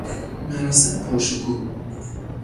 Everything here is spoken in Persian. مراسم پر شکوه